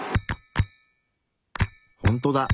ほんとだ。